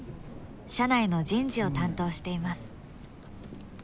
社内の人事を担当しています。